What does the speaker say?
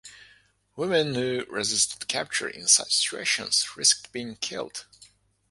Women who resisted capture in such situations risked being killed.